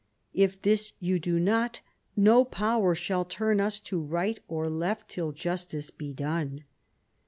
If this you do not, no power shall turn us to right or left till justice be done."